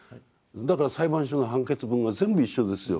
だから裁判所の判決文が全部一緒ですよ。